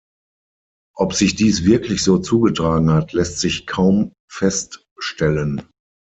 Ob sich dies wirklich so zugetragen hat, lässt sich kaum feststellen.